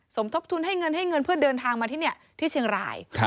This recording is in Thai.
สมทบทุนให้เงินให้เงินเพื่อเดินทางมาที่นี่ที่เชียงราย